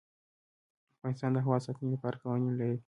افغانستان د هوا د ساتنې لپاره قوانین لري.